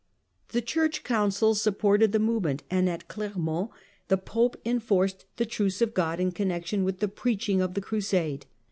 The Church Councils supported the movement, and at Clermont the Pope enforced the Truce of God in connexion with the preaching of the Crusade.